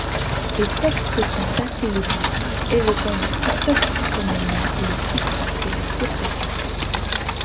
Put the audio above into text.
Les textes sont assez lugubres, évoquant la toxicomanie, le suicide et la dépression.